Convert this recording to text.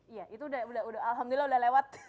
iya itu udah alhamdulillah udah lewat